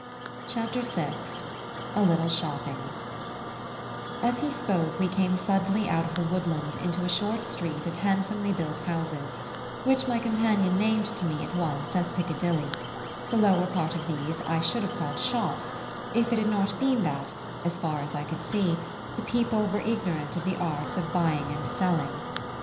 CHAPTER VI: A LITTLE SHOPPING As he spoke, we came suddenly out of the woodland into a short street of handsomely built houses, which my companion named to me at once as Piccadilly: the lower part of these I should have called shops, if it had not been that, as far as I could see, the people were ignorant of the arts of buying and selling.